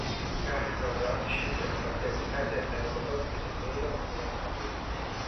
Carl von Rothschild mantenne case a Francoforte sul Meno ed a Napoli.